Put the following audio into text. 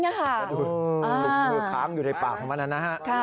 ถุงมือคล้ำอยู่ในปากของมันน่ะ